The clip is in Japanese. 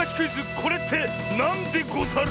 「これってなんでござる」。